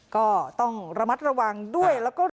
ก็ต้องระมัดระวังด้วย